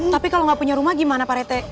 tapi kalau nggak punya rumah gimana pak rete